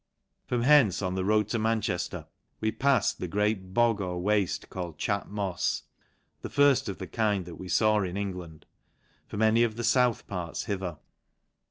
'From hcnce v on the road to Manchefter^ we palled ;He great bog or wafte, called Chat mofs, the firft of ;he kind that we faw in England, from any of the buth parts hither.